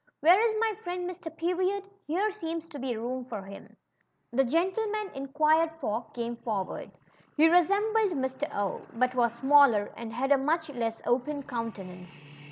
" Where is my friend Mr. Period ? Here seems to be room for hiili.'' The gentleman inquired for came forward. He resem bled Mr. 0^ but Avas smaller, and had a much less open countenance.